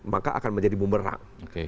maka akan menjadi bumerang